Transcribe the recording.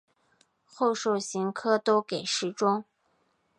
后授刑科都给事中。